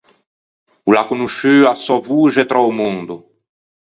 O l’à conosciuo a sò voxe tra o mondo.